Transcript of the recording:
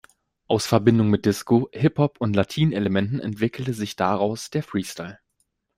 Aus Verbindung mit Disco-, Hiphop- und Latin-Elementen entwickelte sich daraus der „Freestyle“.